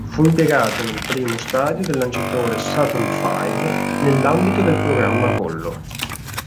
Fu impiegato nel primo stadio del lanciatore Saturn V nell'ambito del programma Apollo.